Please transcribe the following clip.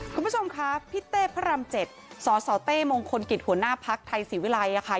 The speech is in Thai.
คุณผู้ชมค่ะพี่เต้พระรามเจ็ดสสเต้มงคลกิจหัวหน้าภักดิ์ไทยศิวิไลย์